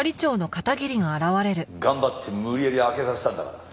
頑張って無理やり空けさせたんだから。